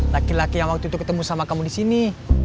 laki laki yang waktu itu ketemu sama kamu disini